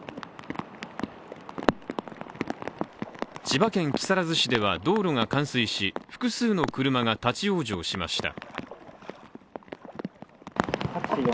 千葉県木更津市では道路が冠水し複数の車が立往生しました。